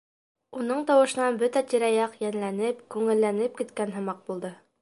Уның тауышынан бөтә тирә-яҡ йәнләнеп, күңелләнеп киткән һымаҡ булды.